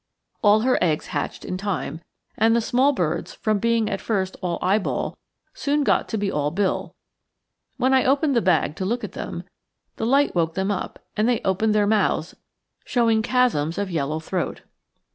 All her eggs hatched in time, and the small birds, from being at first all eyeball, soon got to be all bill. When I opened the bag to look at them, the light woke them up and they opened their mouths, showing chasms of yellow throat.